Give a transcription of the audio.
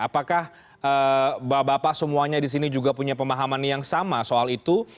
apakah bapak bapak semuanya disini juga punya pemahaman yang sama soal itu